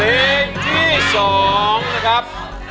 เพลงที่๒นะครับ